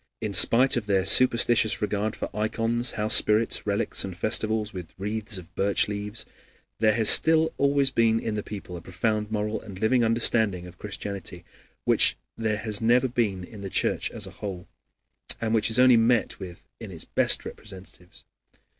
In spite of their superstitious regard for ikons, housespirits, relics, and festivals with wreaths of birch leaves, there has still always been in the people a profound moral and living understanding of Christianity, which there has never been in the Church as a whole, and which is only met with in its best representatives.